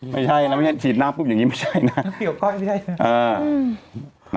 ไม่ใช่นะฉีดน้ำอย่างนี้ไม่ใช่นะ